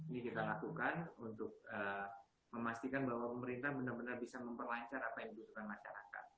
ini kita lakukan untuk memastikan bahwa pemerintah benar benar bisa memperlancar apa yang dibutuhkan masyarakat